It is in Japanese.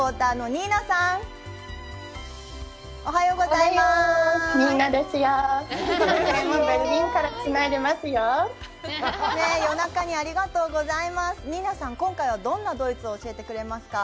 ニーナさん、今回はどんなドイツを教えてくれますか？